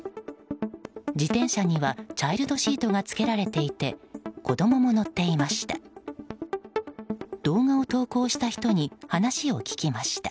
自転車にはチャイルドシートがつけられていて子供も乗っていました。